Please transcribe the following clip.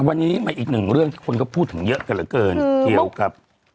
วันนี้มาอีกหนึ่งเรื่องที่คนก็พูดถึงเยอะกันเหลือเกินเกี่ยวกับ